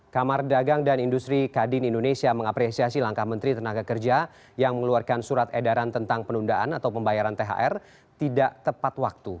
kamar dagang dan industri kadin indonesia mengapresiasi langkah menteri tenaga kerja yang mengeluarkan surat edaran tentang penundaan atau pembayaran thr tidak tepat waktu